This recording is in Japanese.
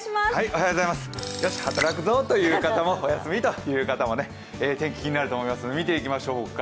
よし働くぞという方もお休みという方も天気、気になると思いますので見ていきましょうか。